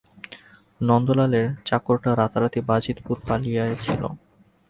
নন্দলালের চাকরটা রাতারাতি বাজিতপুরে পলাইয়াছিল।